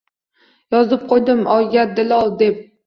Yozib qoʼydim, oyga “Dilo” deb.